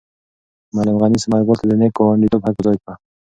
معلم غني ثمر ګل ته د نېک ګاونډیتوب حق په ځای کړ.